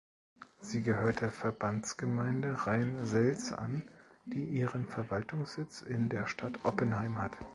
Sie gehört der Verbandsgemeinde Rhein-Selz an, die ihren Verwaltungssitz in der Stadt Oppenheim hat.